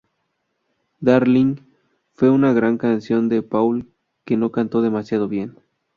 Darling' fue una gran canción de Paul que no cantó demasiado bien.